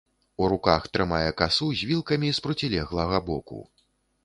У руках трымае касу з вілкамі з процілеглага боку.